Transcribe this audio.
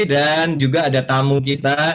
dan juga ada tamu kita